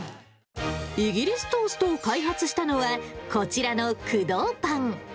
イギリストーストを開発したのは、こちらの工藤パン。